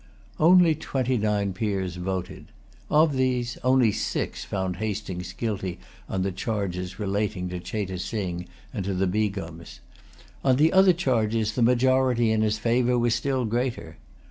Only twenty nine Peers voted. Of these only six found Hastings guilty on the charges relating to Cheyte Sing and to the Begums. On other charges, the majority in his favor was still greater.